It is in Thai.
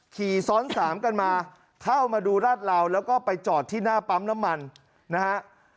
ขี่ซ้อนสามกันมาเข้ามาดูราดเหลาแล้วก็ไปจอดที่หน้าปั๊มน้ำมันนะฮะ